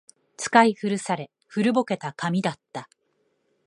使い古され、古ぼけた紙だった